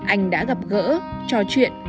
anh đã gặp gỡ trò chuyện